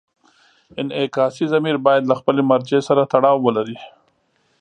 انعکاسي ضمیر باید له خپلې مرجع سره تړاو ولري.